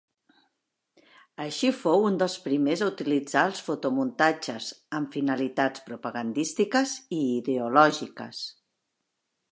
Així, fou un dels primers a utilitzar els fotomuntatges amb finalitats propagandístiques i ideològiques.